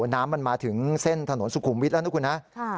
น้ำมันมาถึงเส้นถนนสุขุมวิทย์แล้วนะคุณฮะ